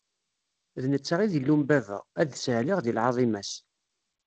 D netta i d Illu n baba, ad ssaɛliɣ di lɛaḍima-s.